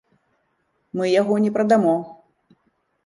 Мы яго не прадамо!